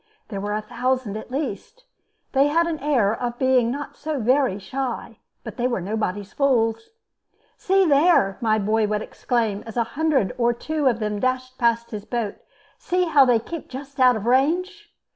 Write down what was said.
There were a thousand, at least. They had an air of being not so very shy, but they were nobody's fools. "See there!" my boy would exclaim, as a hundred or two of them dashed past the boat; "see how they keep just out of range!"